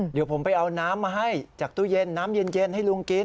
เดี๋ยวผมไปเอาน้ำมาให้จากตู้เย็นน้ำเย็นให้ลุงกิน